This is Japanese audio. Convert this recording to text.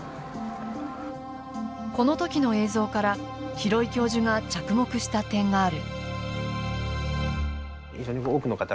この時の映像から廣井教授が着目した点がある。